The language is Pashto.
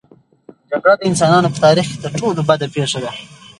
جګړه د انسانانو په تاریخ کې تر ټولو بده پېښه ده.